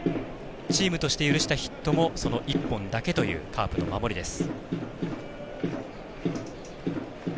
チームとして許したヒットもその１本だけというカープの守りです。